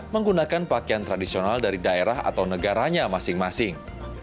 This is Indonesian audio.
menggunakan pakaian tradisional dari daerah atau negaranya masing masing